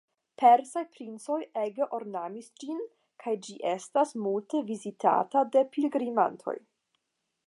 Persaj princoj ege ornamis ĝin, kaj ĝi estas multe vizitata de pilgrimantoj.